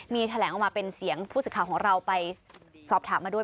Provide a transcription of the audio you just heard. มีแถลงออกมาเป็นเสียงผู้สื่อข่าวของเราไปสอบถามมาด้วย